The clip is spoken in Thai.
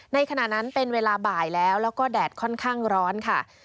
ขณะนั้นเป็นเวลาบ่ายแล้วแล้วก็แดดค่อนข้างร้อนค่ะ